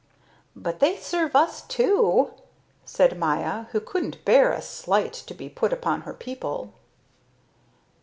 "But they serve us too!" said Maya, who couldn't bear a slight to be put upon her people.